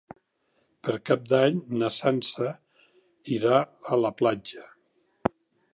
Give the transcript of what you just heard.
Per Cap d'Any na Sança irà a la platja.